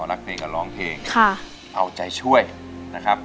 มาถึงเพลงที่๕นะครับ